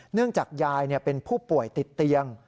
เนื่องจากยายเป็นผู้ป่วยติดเตียง